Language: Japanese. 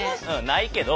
ないけど。